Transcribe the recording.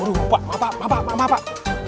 aduh pak maaf pak maaf pak